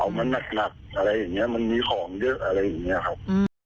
เอามันผ่านมาหลัดอะไรแบบนี้มันมีของด้วยอะไรแบบนี้ครับ